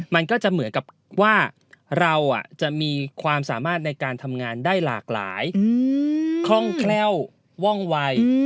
มันก็จะเหมือนกับว่าเราจะมีความสามารถในการทำงานได้หลากหลายคล่องแคล่วว่องวัย